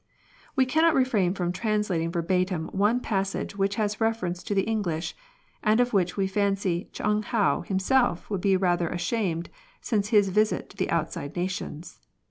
AVe cannot refrain from translating verbatim one passage which has reference to the English, and of which we fancy Ch'ung hou himself would be rather ashamed since his visit to the Outside Nations.